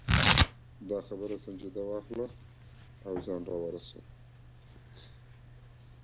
The winner was known as 'Queen of the Plough'.